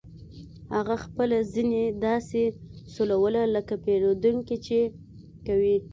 هغه خپله زنې داسې سولوله لکه پیرودونکي چې کوي